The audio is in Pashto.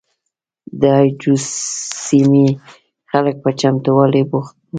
د اي جو سیمې خلک په چمتوالي بوخت وو.